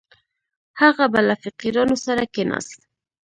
هغه به له فقیرانو سره کښېناست.